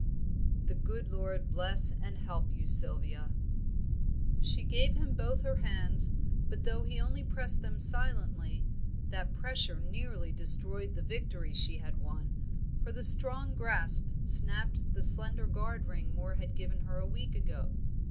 "The good Lord bless and help you, Sylvia." She gave him both her hands, but though he only pressed them silently, that pressure nearly destroyed the victory she had won, for the strong grasp snapped the slender guard ring Moor had given her a week ago.